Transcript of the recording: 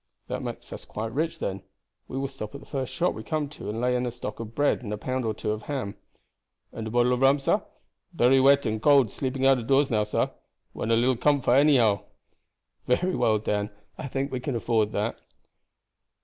"That makes us quite rich men. We will stop at the first shop we come to and lay in a stock of bread and a pound or two of ham." "And a bottle of rum, sah. Berry wet and cold sleeping out of doors now, sah. Want a little comfort anyhow." "Very well, Dan; I think we can afford that."